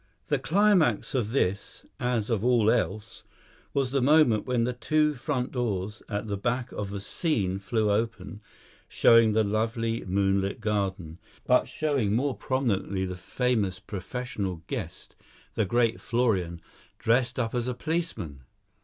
The climax of this, as of all else, was the moment when the two front doors at the back of the scene flew open, showing the lovely moonlit garden, but showing more prominently the famous professional guest; the great Florian, dressed up as a policeman.